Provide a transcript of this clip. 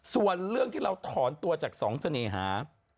ส่วนเรื่องที่เราถอนตัวจากสองเสน่หา